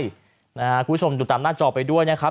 คุณผู้ชมดูตามหน้าจอไปด้วยนะครับ